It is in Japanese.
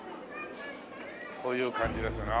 こういう感じですね。